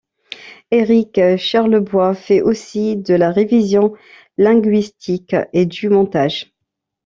Éric Charlebois fait aussi de la révision linguistique et du montage.